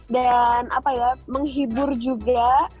dan apa ya menghibur juga